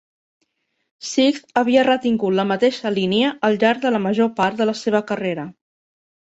Sikth havia retingut la mateixa línia al llarg de la major part de la seva carrera.